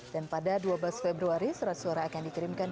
dan pada dua belas februari surat suara akan dikirimkan